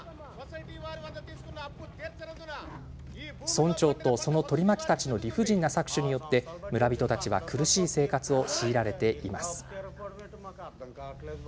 村長と、その取り巻きたちの理不尽な搾取によって村人たちは苦しい生活を強いられています。